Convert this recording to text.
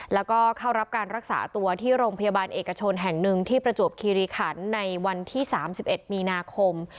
แล้วก็เข้ารับการรักษาตัวที่โรงพยาบาลเอกชนแห่งหนึ่งที่ประจวบคีรีขันในวันที่๓๑มีนาคม